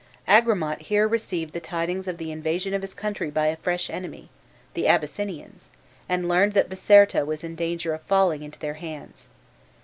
Agramant here received the tidings of the invasion of his country by a fresh enemy, the Abyssinians, and learned that Biserta was in danger of falling into their hands.